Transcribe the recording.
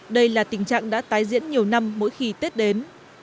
đây là tình trạng đã tái diễn nhiều năm mỗi khi tết đến